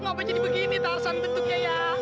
ngapain jadi begini tarsan bentuknya ya